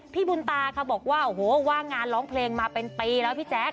พี่บุญตาค่ะบอกว่าโอ้โหว่างงานร้องเพลงมาเป็นปีแล้วพี่แจ๊ค